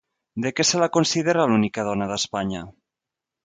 De què se la considera l'única dona d'Espanya?